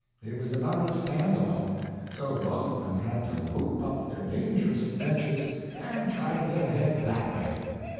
It was about a stand off; so both of them had to whoop up their dangerous adventures, and try to get ahead that way.